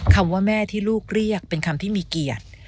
คำว่าแม่ที่ลูกเรียกเป็นคำที่มีเกียรติ